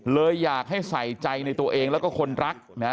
เลยอยากให้ใส่ใจในตัวเองและคนรัก